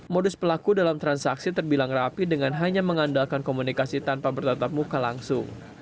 modus pelaku dalam transaksi terbilang rapi dengan hanya mengandalkan komunikasi tanpa bertatap muka langsung